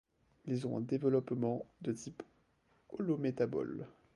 Ils ont un développement de type holométabole.